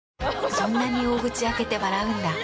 そんなに大口開けて笑うんだ。